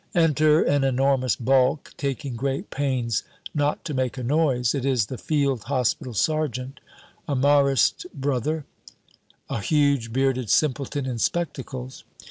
Enter an enormous bulk, taking great pains not to make a noise. It is the field hospital sergeant, a Marist Brother, a huge bearded simpleton in spectacles.